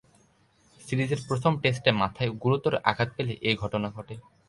সিরিজের প্রথম টেস্টে মাথায় গুরুতর আঘাত পেলে এ ঘটনা ঘটে।